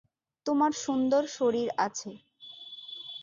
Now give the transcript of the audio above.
তোমার সুন্দর শরীর আছে।